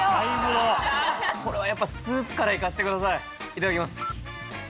これはやっぱスープから行かしてくださいいただきます。